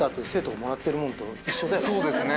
そうですね。